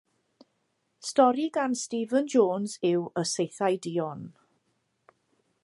Stori gan Stephen Jones yw Y Saethau Duon.